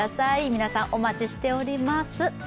皆さんお待ちしております。